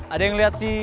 ada yang liat si